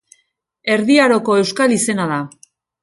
Erdi Aroko euskal izena da.